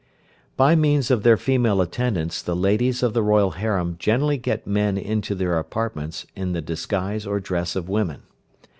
By means of their female attendants the ladies of the royal harem generally get men into their apartments in the disguise or dress of women.